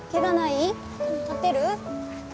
立てる？